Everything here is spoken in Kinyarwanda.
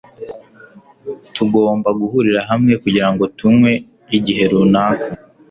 Tugomba guhurira hamwe kugirango tunywe igihe runaka.